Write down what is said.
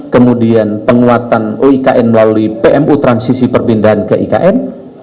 kemudian penguatan uikn melalui pmu transisi perpindahan ke ikn